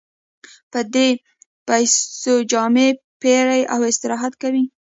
په دې پیسو جامې پېري او استراحت کوي